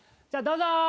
じゃあどうぞ！